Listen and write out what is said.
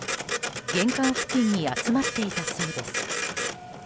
玄関付近に集まっていたそうです。